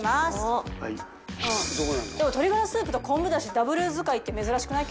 でも鶏がらスープと昆布ダシダブル使いって珍しくない？